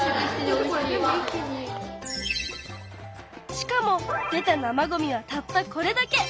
しかも出た生ごみはたったこれだけ！